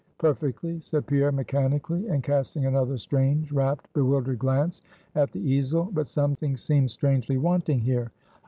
"Perfectly," said Pierre mechanically, and casting another strange, rapt, bewildered glance at the easel. "But something seems strangely wanting here.